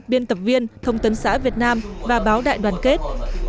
biên tập viên thông tấn xã việt nam và báo đại đoàn kết